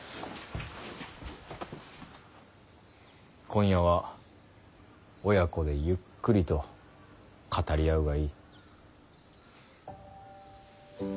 今夜は親子でゆっくりと語り合うがいい。